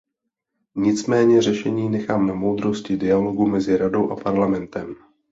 Nicméně řešení nechám na moudrosti dialogu mezi Radou a Parlamentem.